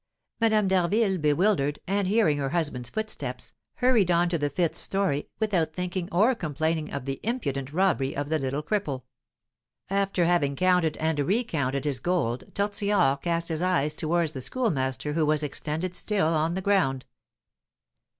Madame d'Harville, bewildered, and hearing her husband's footsteps, hurried on to the fifth story without thinking or complaining of the impudent robbery of the little cripple. After having counted and recounted his gold Tortillard cast his eyes towards the Schoolmaster who was extended still on the ground.